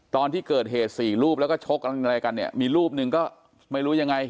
ตอนที่เกิดเหตุสี่รูปแล้วก็ชกอะไรกันเนี่ยมีรูปหนึ่งก็ไม่รู้ยังไง